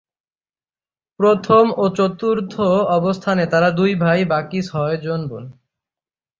প্রথম ও চতুর্থ অবস্থানে তারা দুই ভাই, বাকি ছয়জন বোন।